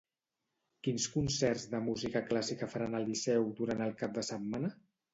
Quins concerts de música clàssica faran al Liceu durant el cap de setmana?